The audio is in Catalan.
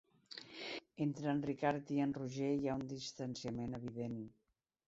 Entre en Ricard i en Roger hi ha un distanciament evident.